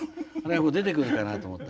出てくるかなと思った。